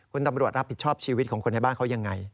คุณตำรวจรับผิดชอบชีวิตของคนในบ้านเขายังไง